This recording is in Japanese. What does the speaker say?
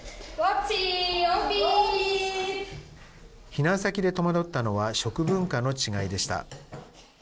避難先で戸惑ったのは食文化の違いでした。